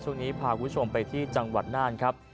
ช่วงนี้พาคุณผู้ชมไปที่จังหวัดน่านครับ